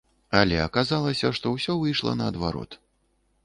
Але аказалася, што ўсё выйшла наадварот.